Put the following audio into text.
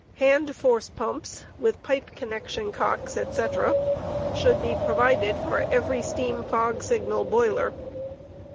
Hand force pumps with pipe connection cocks, &c., should be provided for every steam fog signal boiler.